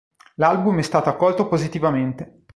L'album è stato accolto positivamente.